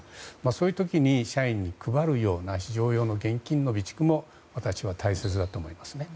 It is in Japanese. そういう時に社員に配るような非常用の現金の備蓄も私は大切だと思いますね。